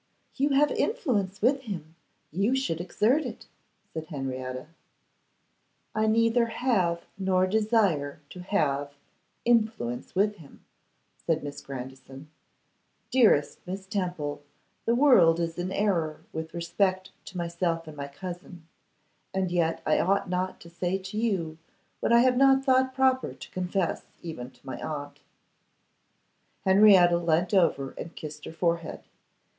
'You have influence with him; you should exert it,' said Henrietta. 'I neither have, nor desire to have, influence with him,' said Miss Grandison. 'Dearest Miss Temple, the world is in error with respect to myself and my cousin; and yet I ought not to say to you what I have not thought proper to confess even to my aunt.' Henrietta leant over and kissed her forehead.